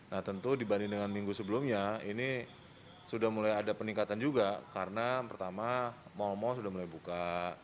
nah tentu dibanding dengan minggu sebelumnya ini sudah mulai ada peningkatan juga karena pertama mal mal sudah mulai buka